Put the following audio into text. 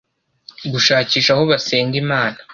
gushakisha aho basenga Imana